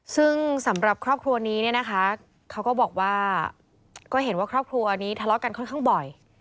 ซึ่งสำหรับครอบครัวนี้เนี่ยนะคะเขาก็บอกว่าก็เห็นว่าครอบครัวนี้ทะเลาะกันค่อนข้างบ่อย